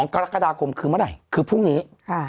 กรกฎาคมคือเมื่อไหร่คือพรุ่งนี้